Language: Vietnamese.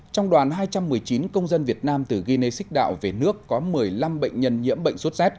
trong đoàn hai trăm một mươi chín công dân việt nam từ guinea xích đạo về nước có một mươi năm bệnh nhân nhiễm bệnh sốt z